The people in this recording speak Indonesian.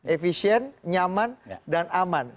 efisien nyaman dan aman